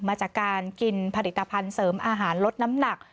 มาจากการกินผลิตภัณฑ์เสริมอาหารลดน้ำหนัก